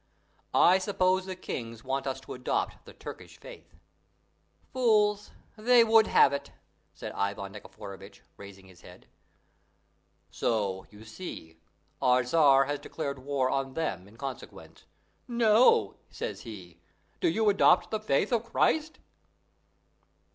I suppose the kings want us to adopt the Turkish faith." "Fools! They would have it," said Ivan Nikiforovitch, raising his head. "So, you see, our Tzar has declared war on them in consequence. 'No,' says he, 'do you adopt the faith of Christ!